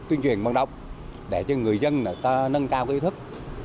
tuyên truyền băng động để cho người dân nâng cao ý thức